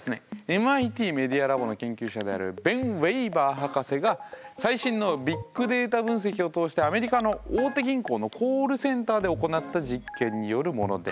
ＭＩＴメディアラボの研究者であるベン・ウェイバー博士が最新のビッグデータ分析を通してアメリカの大手銀行のコールセンターで行った実験によるものです。